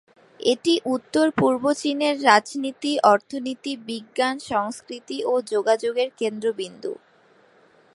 এটি উত্তর-পূর্ব চীনের রাজনীতি, অর্থনীতি, বিজ্ঞান, সংস্কৃতি ও যোগাযোগের কেন্দ্রবিন্দু।